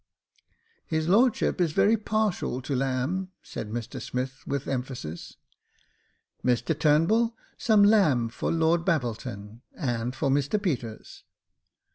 His lordship is very partial to lamb," said Mr Smith, with emphasis. " Mr Turnbull, some lamb for Lord Babbleton, and for Mr Peters."